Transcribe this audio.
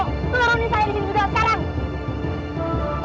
turunin saya di sini juga sekarang